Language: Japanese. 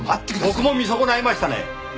僕も見損ないましたね。